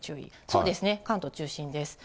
そうですね、関東中心です。